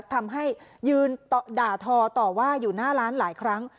ทำให้ยืนด่าทอต่อว่าอยู่หน้าร้านหลายครั้ง